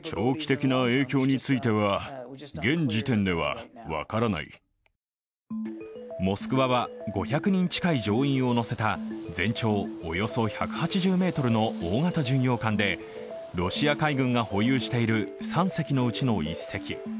そして「モスクワ」は５００人近い乗員を乗せた全長およそ１８０ｍの大型巡洋艦でロシア海軍が保有している３隻のうちの１隻。